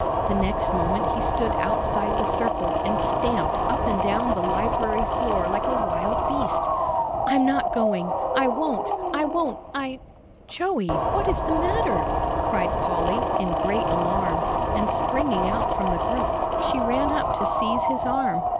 The next moment he stood outside the circle and stamped up and down the library floor like a wild beast. "I'm not going; I won't, I won't, I " "Joey, what is the matter?" cried Polly, in great alarm, and springing out from the group, she ran up to seize his arm.